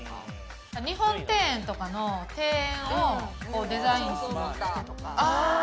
日本庭園とかの庭園をデザインする人とか？